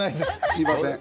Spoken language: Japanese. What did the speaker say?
すいません。